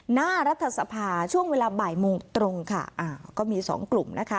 หน้ารัฐสภาช่วงเวลาบ่ายโมงตรงค่ะอ่าก็มีสองกลุ่มนะคะ